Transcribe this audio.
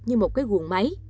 như một cái guồn máy